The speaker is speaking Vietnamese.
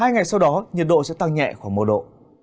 hai ngày sau đó nhiệt độ sẽ tăng nhẹ khoảng một độ